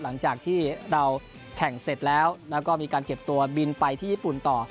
หลังจากที่เราแข่งเสร็จแล้วแล้วก็มีการเก็บตัวบินไปที่ญี่ปุ่นต่อ